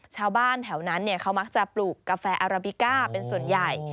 ชาวบ้านแถวนั้นเขามักจะปลูกกาแฟอาราบิก้าเป็นส่วนใหญ่